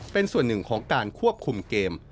เป็นส่วนหนึ่งของการควบคุมเกม